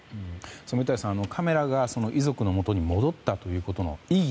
染田屋さん、カメラが遺族のもとに戻ったという意義